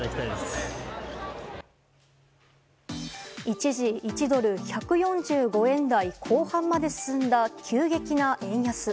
一時１ドル＝１４５円台後半まで進んだ急激な円安。